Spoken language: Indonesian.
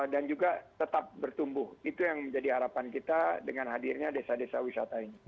dan juga tetap bertumbuh itu yang menjadi harapan kita dengan hadirnya desa desa wisata ini